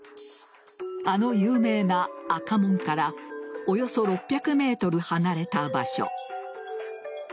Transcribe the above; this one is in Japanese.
あの有名な赤門からおよそ６００ｍ離れた場所。